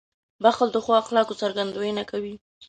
• بښل د ښو اخلاقو څرګندونه کوي.